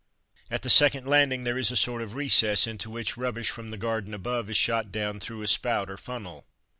At the second landing there is a sort of recess, into which rubbish from the garden above is shot down through a spout or funnel.